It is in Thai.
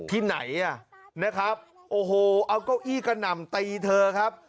ที่ไหนอ่ะนะครับโอ้โหเอาเก้าอี้กระหน่ำตีเธอครับ